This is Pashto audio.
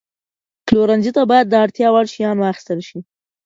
پلورنځي ته باید د اړتیا وړ شیان واخیستل شي.